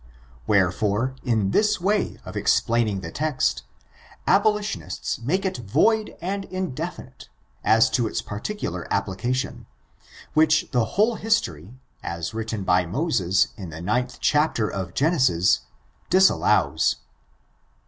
Wherefore, in this way of explaining the text, abolitionists make it void and indefinite, as to its particular application, which the whole history, as written by Moses in the ninth chapter of Genesis, disallows.